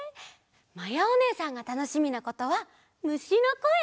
まやおねえさんがたのしみなことはむしのこえ！